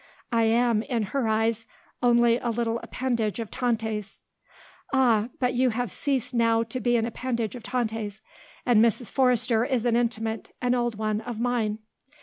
I am, in her eyes, only a little appendage of Tante's." "Ah, but you have ceased, now, to be an appendage of Tante's. And Mrs. Forrester is an intimate, an old one, of mine."